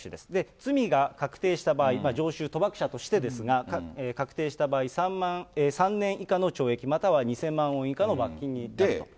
罪が確定した場合、常習賭博者としてですが、確定した場合、３年以下の懲役、または２０００万ウォン以下の罰金だと。